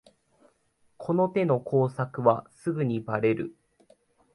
この手の工作はすぐにバレる